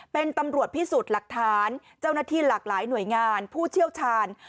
เป็นตำรวจพิสูจน์หลักฐานเจ้าหน้าที่หลากหลายหน่วยงานผู้เชี่ยวชาญ